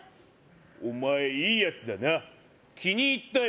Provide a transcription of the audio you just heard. お前いいやつだな気に入ったよ